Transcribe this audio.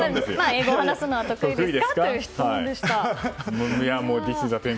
英語を話すのは得意ですか？という質問でした。